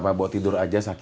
biar bawa tidur aja pak